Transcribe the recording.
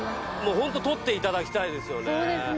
ホント取っていただきたいですよね。